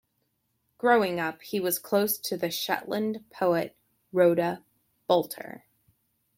Growing up, he was close to the Shetland poet Rhoda Bulter.